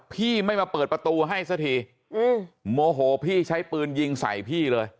พี่ไม่มาเปิดประตูให้สักทีโมโหพี่ใช้ปืนยิงใส่พี่เลย